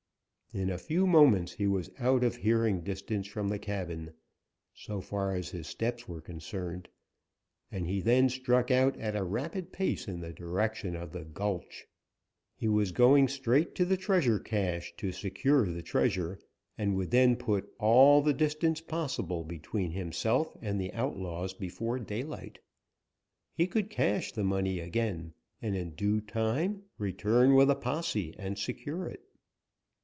In a few moments he was out of hearing distance from the cabin, so far as his steps were concerned, and he then struck out at a rapid pace in the direction of the gulch. He was going straight to the treasure cache to secure the treasure, and would then put all the distance possible between himself and the outlaws before daylight. He could cache the money again, and in due time return with a posse and secure it.